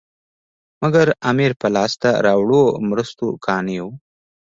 مګر امیر په لاسته راوړو مرستو قانع وو.